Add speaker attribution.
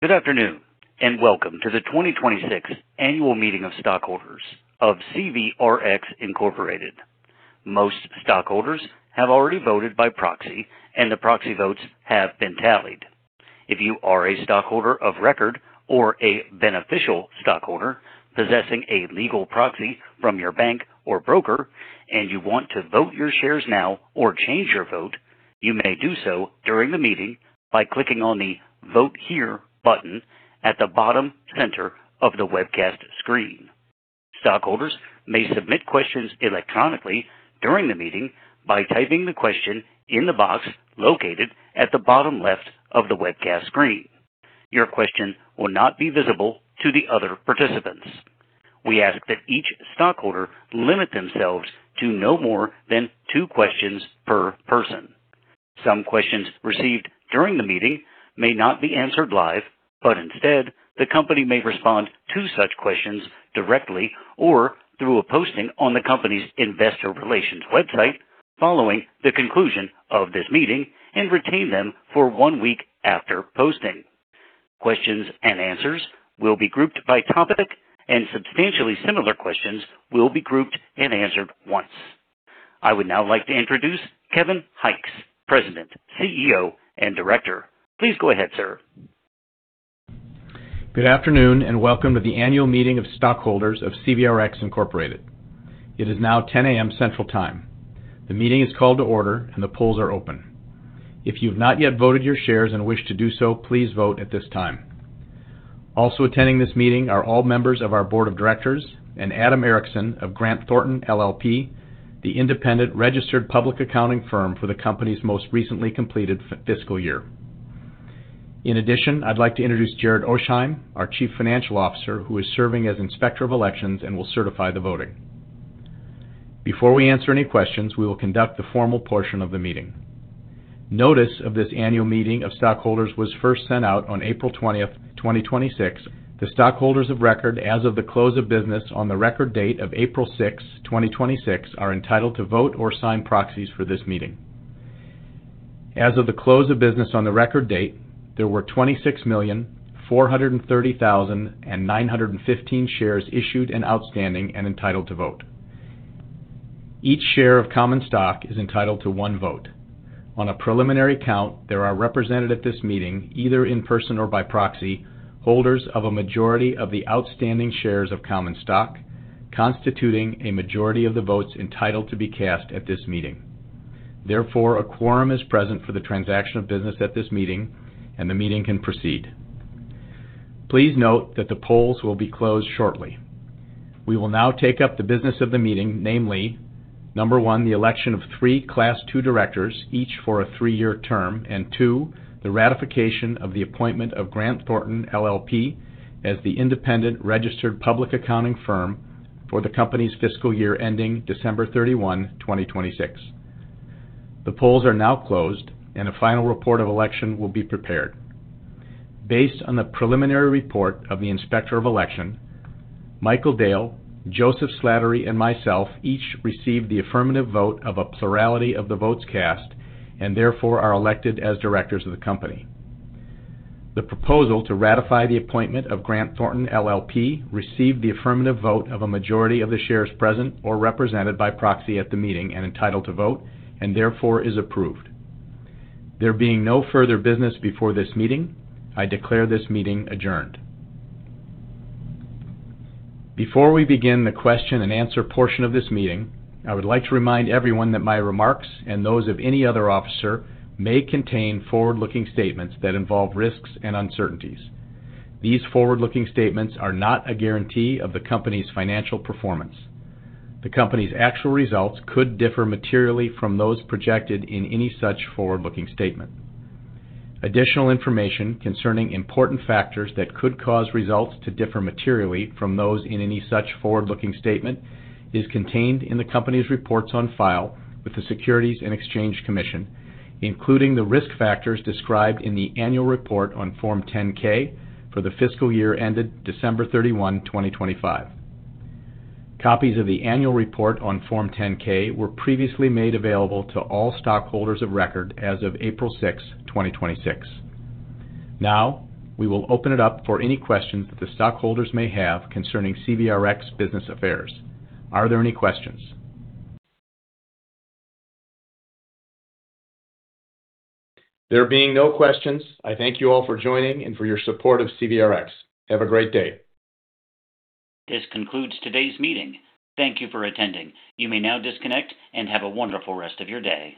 Speaker 1: Good afternoon, and welcome to the 2026 Annual Meeting of Stockholders of CVRx, Inc.. Most stockholders have already voted by proxy, and the proxy votes have been tallied. If you are a stockholder of record or a beneficial stockholder possessing a legal proxy from your bank or broker, and you want to vote your shares now or change your vote, you may do so during the meeting by clicking on the Vote Here button at the bottom center of the webcast screen. Stockholders may submit questions electronically during the meeting by typing the question in the box located at the bottom left of the webcast screen. Your question will not be visible to the other participants. We ask that each stockholder limit themselves to no more than two questions per person. Some questions received during the meeting may not be answered live, but instead, the company may respond to such questions directly or through a posting on the company's investor relations website following the conclusion of this meeting and retain them for one week after posting. Questions and answers will be grouped by topic, and substantially similar questions will be grouped and answered once. I would now like to introduce Kevin Hykes, President, CEO, and Director. Please go ahead, sir.
Speaker 2: Good afternoon, and welcome to the annual meeting of stockholders of CVRx, Inc. It is now 10 A.M. Central Time. The meeting is called to order, and the polls are open. If you've not yet voted your shares and wish to do so, please vote at this time. Also attending this meeting are all members of our board of directors and Adam Erickson of Grant Thornton LLP, the independent registered public accounting firm for the company's most recently completed fiscal year. In addition, I'd like to introduce Jared Oasheim, our Chief Financial Officer, who is serving as inspector of elections and will certify the voting. Before we answer any questions, we will conduct the formal portion of the meeting. Notice of this annual meeting of stockholders was first sent out on April 20, 2026. The stockholders of record as of the close of business on the record date of April 6, 2026 are entitled to vote or sign proxies for this meeting. As of the close of business on the record date, there were 26,430,915 shares issued and outstanding and entitled to vote. Each share of common stock is entitled to one vote. On a preliminary count, there are represented at this meeting, either in person or by proxy, holders of a majority of the outstanding shares of common stock, constituting a majority of the votes entitled to be cast at this meeting. Therefore, a quorum is present for the transaction of business at this meeting, and the meeting can proceed. Please note that the polls will be closed shortly. We will now take up the business of the meeting, namely, number 1, the election of three class 2 directors, each for a three-year term. Two, the ratification of the appointment of Grant Thornton LLP as the independent registered public accounting firm for the company's fiscal year ending December 31, 2026. The polls are now closed, and a final report of election will be prepared. Based on the preliminary report of the inspector of election, Michael Dale, Joseph Slattery, and myself each received the affirmative vote of a plurality of the votes cast and therefore are elected as directors of the company. The proposal to ratify the appointment of Grant Thornton LLP received the affirmative vote of a majority of the shares present or represented by proxy at the meeting and entitled to vote and therefore is approved. There being no further business before this meeting, I declare this meeting adjourned. Before we begin the question and answer portion of this meeting, I would like to remind everyone that my remarks, and those of any other officer, may contain forward-looking statements that involve risks and uncertainties. These forward-looking statements are not a guarantee of the company's financial performance. The company's actual results could differ materially from those projected in any such forward-looking statement. Additional information concerning important factors that could cause results to differ materially from those in any such forward-looking statement is contained in the company's reports on file with the Securities and Exchange Commission, including the risk factors described in the annual report on Form 10-K for the fiscal year ended December 31, 2025. Copies of the annual report on Form 10-K were previously made available to all stockholders of record as of April sixth, 2026. Now, we will open it up for any questions that the stockholders may have concerning CVRx business affairs. Are there any questions? There being no questions, I thank you all for joining and for your support of CVRx. Have a great day.
Speaker 1: This concludes today's meeting. Thank you for attending. You may now disconnect and have a wonderful rest of your day